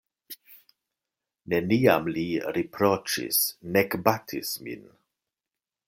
Neniam li riproĉis, nek batis min.